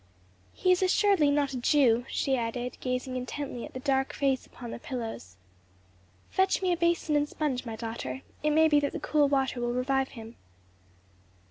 "He is assuredly not a Jew," she added, gazing intently at the dark face upon the pillows. "Fetch me a basin and sponge, my daughter; it may be that the cool water will revive him."